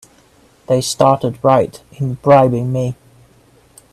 They started right in bribing me!